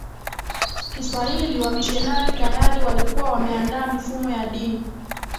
Kiswahili Wamishenari tayari walikuwa wameandaa mifumo ya dini